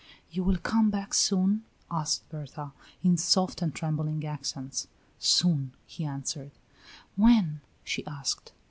"You will come back soon?" asked Berta, in soft and trembling accents. "Soon," he answered. "When?" she asked.